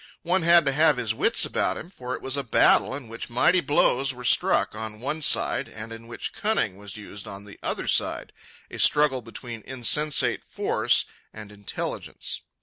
One had to have his wits about him, for it was a battle in which mighty blows were struck, on one side, and in which cunning was used on the other side—a struggle between insensate force and intelligence.